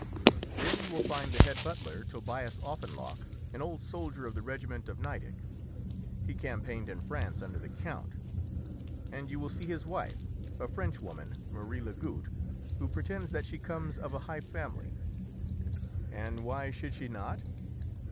"Then you will find the head butler, Tobias Offenloch, an old soldier of the regiment of Nideck. He campaigned in France under the count; and you will see his wife, a Frenchwoman, Marie Lagoutte, who pretends that she comes of a high family." "And why should she not?"